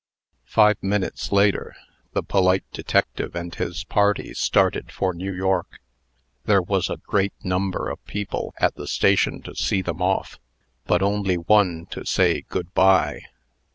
Five minutes later, the polite detective and his party started for New York. There was a great number of people at the station to see them off, but only one to say "good by."